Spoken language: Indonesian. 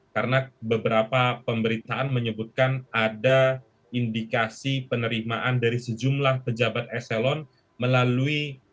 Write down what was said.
karena beberapa pemberitaan menyebutkan ada indikasi penerimaan dari sejumlah pejabat eselon melalui orang orang yang dekat dengan seorang penyelenggara negara